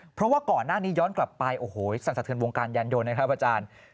เพราะว่าก่อนหน้านี้ย้อนกลับไปโอ้โหสั่นสะเทือนวงการยานยนต์นะครับอาจารย์